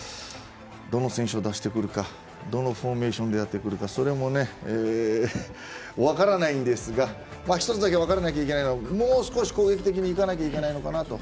どの選手を出してくるかどのフォーメーションでやってくるかそれもね、分からないんですが１つだけ分からなきゃいけないのはもう少し攻撃的にいかなければいけないのかなと。